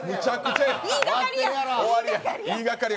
言いがかりや！